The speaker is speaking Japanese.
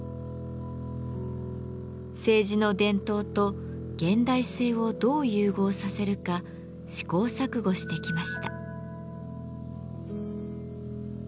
青磁の伝統と現代性をどう融合させるか試行錯誤してきました。